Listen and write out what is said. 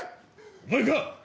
お前か！